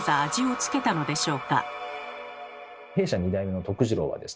弊社２代目の治郎はですね